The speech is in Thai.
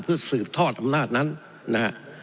เพื่อสืบทอดอำนาจนั้นนะฮะ